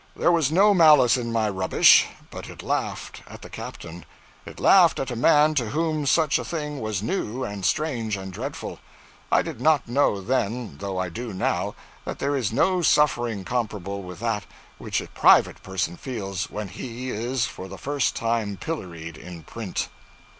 There was no malice in my rubbish; but it laughed at the captain. It laughed at a man to whom such a thing was new and strange and dreadful. I did not know then, though I do now, that there is no suffering comparable with that which a private person feels when he is for the first time pilloried in print.